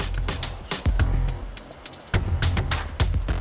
cuma luka dikit